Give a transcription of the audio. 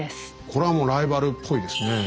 これはもうライバルっぽいですねえ。